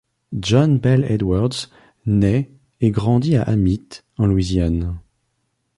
John Bel Edwards naît et grandit à Amite, en Louisiane.